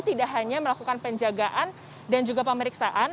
tidak hanya melakukan penjagaan dan juga pemeriksaan